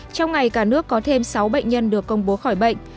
trong ngày cả nước có thêm sáu bệnh nhân được công bố khỏi bệnh